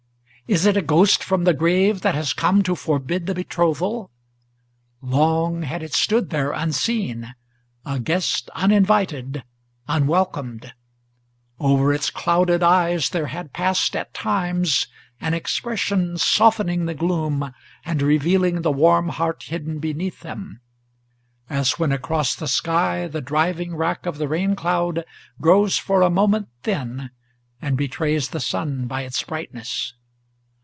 Is it a ghost from the grave, that has come to forbid the betrothal? Long had it stood there unseen, a guest uninvited, unwelcomed; Over its clouded eyes there had passed at times an expression Softening the gloom and revealing the warm heart hidden beneath them, As when across the sky the driving rack of the rain cloud Grows for a moment thin, and betrays the sun by its brightness.